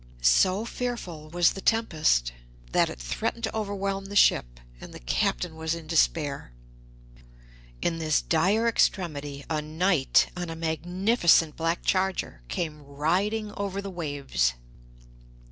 So fearful was the tempest that it threatened to overwhelm the ship, and the Captain was in despair. In this dire extremity a knight on a magnificent black charger came riding over the waves.